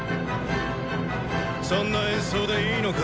そんな演奏でいいのか？